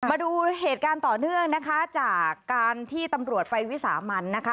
มาดูเหตุการณ์ต่อเนื่องนะคะจากการที่ตำรวจไปวิสามันนะคะ